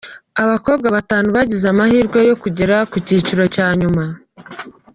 Abakobwa batanu bagize amahirwe yo kugera mu cyiciro cya nyuma:.